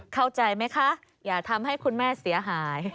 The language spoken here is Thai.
เข้าใจไหมคะอย่าทำให้คุณแม่เสียหาย